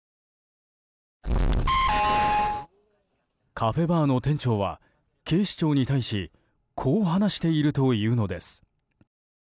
カフェバーの店長は警視庁に対しこう話しているというのです。